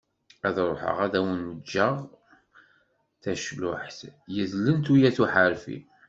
Ad ruḥeγ ad awen-ğğeγ tacluḥt, yedlen tuyat uḥerfi.